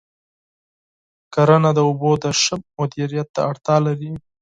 کرنه د اوبو د ښه مدیریت ته اړتیا لري.